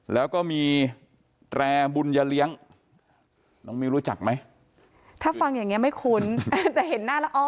แล้วก็มีแตรบุญยเลี้ยงน้องมิวรู้จักไหมถ้าฟังอย่างนี้ไม่คุ้นแต่เห็นหน้าแล้วอ๋อ